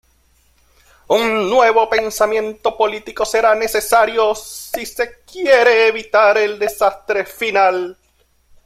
Un nuevo pensamiento político será necesario si se quiere evitar el desastre final.